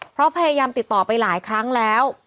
เพราะพยายามติดต่อไปหลายครั้งแล้ว